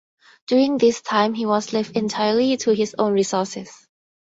During this time he was left entirely to his own resources.